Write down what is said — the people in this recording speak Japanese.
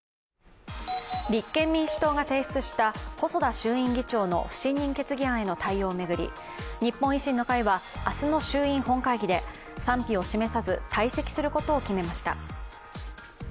立憲民主党が提出した細田衆院議長の不信任決議案への対応を巡り、日本維新の会は、明日の衆院本会議で、賛否を示さず退席することを決めました。